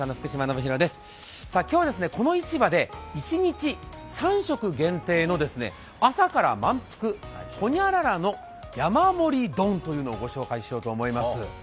今日はこの市場で一日３食限定の朝からまんぷく、ほにゃららの山盛り丼というのをご紹介しようと思います。